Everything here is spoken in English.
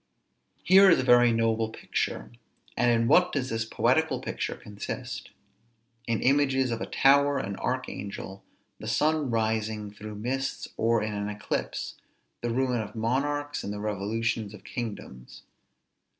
Here is a very noble picture; and in what does this poetical picture consist? In images of a tower, an archangel, the sun rising through mists, or in an eclipse, the ruin of monarchs and the revolutions of kingdoms.